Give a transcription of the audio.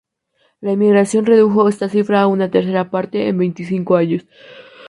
La emigración redujo esta cifra a una tercera parte en veinticinco años.